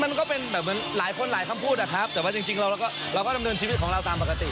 มันก็เป็นแบบเหมือนหลายคนหลายคำพูดอะครับแต่ว่าจริงเราก็เราก็ดำเนินชีวิตของเราตามปกติ